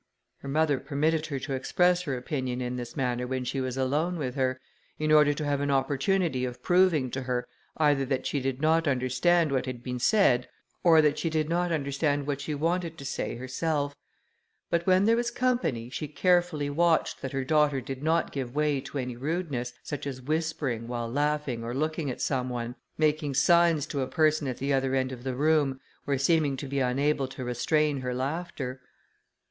Her mother permitted her to express her opinion in this manner when she was alone with her, in order to have an opportunity of proving to her, either that she did not understand what had been said, or that she did not understand what she wanted to say herself; but when there was company, she carefully watched, that her daughter did not give way to any rudeness, such as whispering, while laughing or looking at some one, making signs to a person at the other end of the room, or seeming to be unable to restrain her laughter.